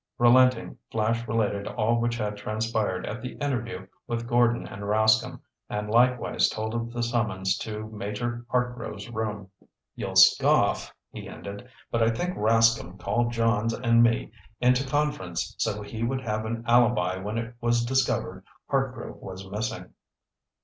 Relenting, Flash related all which had transpired at the interview with Gordon and Rascomb, and likewise told of the summons to Major Hartgrove's room. "You'll scoff," he ended, "but I think Rascomb called Johns and me into conference so he would have an alibi when it was discovered Hartgrove was missing."